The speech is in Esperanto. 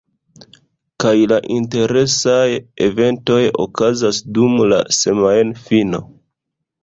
Kaj la interesaj eventoj okazas dum la semajnfino